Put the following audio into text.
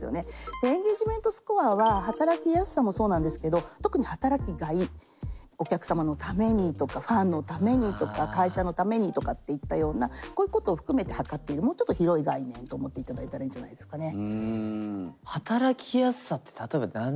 でエンゲージメントスコアは働きやすさもそうなんですけど特に働きがいお客様のためにとかファンのためにとか会社のためにとかっていったようなこういうことを含めて測っているもうちょっと広い概念と思っていただいたらいいんじゃないですかね。